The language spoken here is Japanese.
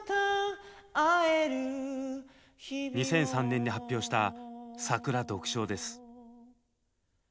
２００３年に発表した「さくら」です。